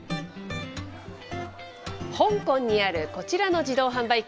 香港にある、こちらの自動販売機。